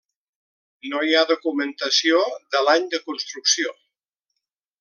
No hi ha documentació de l'any de construcció.